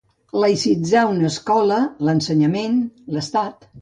Laïcitzar una escola, l'ensenyament, l'estat.